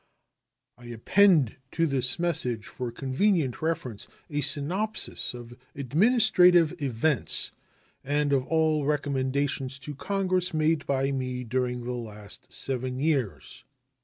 I append to this message, for convenient reference, a synopsis of administrative events and of all recommendations to Congress made by me during the last seven years.